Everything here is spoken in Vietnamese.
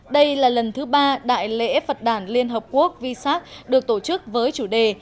đây là lần thứ ba đại lễ phật đàn liên hợp quốc v sac được tổ chức với chủ đề